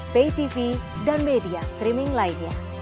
paytv dan media streaming lainnya